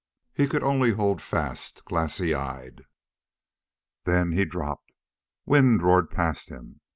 He could only hold fast, glassy eyed. Then he dropped. Wind roared past him.